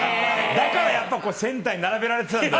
だからやっぱセンターに並べられてたんだ。